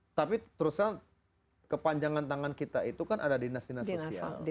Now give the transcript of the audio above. tapi terus terang kepanjangan tangan kita itu kan ada dinas dinas sosial